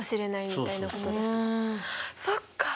そっか。